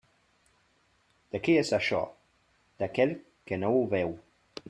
De qui és això? D'aquell que no ho veu.